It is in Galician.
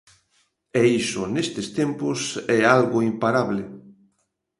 E iso, nestes tempos é algo imparable.